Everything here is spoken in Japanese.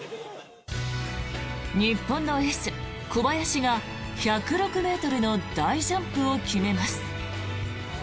日本のエース、小林が１０６ｍの大ジャンプを決めます。